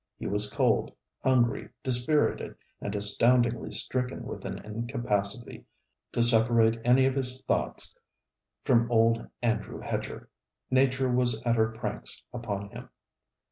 He was cold, hungry, dispirited, and astoundingly stricken with an incapacity to separate any of his thoughts from old Andrew Hedger. Nature was at her pranks upon him.